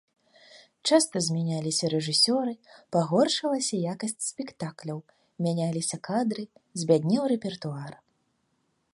Часта змяняліся рэжысёры, пагоршылася якасць спектакляў, мяняліся кадры, збяднеў рэпертуар.